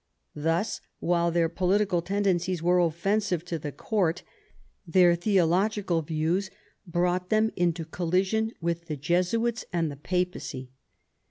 Thus, while their political tendencies were offensive to the court, their theological views brought them into collision with the Jesuits and the papacy.